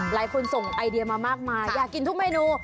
หลายคนส่งไอเดียมามากอยากกินทุกเมนู